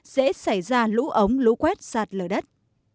dễ xảy ra lũ ống lũ quét sạt lở đất